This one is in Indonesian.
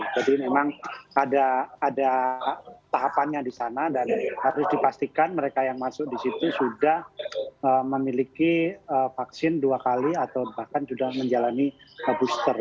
jadi memang ada tahapannya di sana dan harus dipastikan mereka yang masuk di situ sudah memiliki vaksin dua kali atau bahkan sudah menjalani booster